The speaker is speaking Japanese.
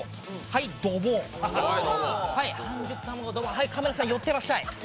はい、カメラさん、寄ってらっしゃい。